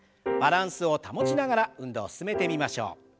バランスを保ちながら運動を進めてみましょう。